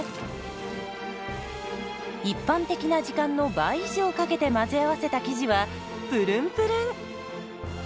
一般的な時間の倍以上かけて混ぜ合わせた生地はプルンプルン。